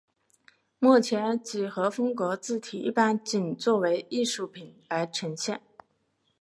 目前几何风格字体一般仅作为艺术品而呈现。